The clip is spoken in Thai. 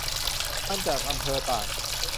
ตันจากอำเภอต่าง